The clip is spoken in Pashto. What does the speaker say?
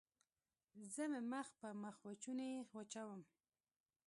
زه مې مخ په مخوچوني وچوم.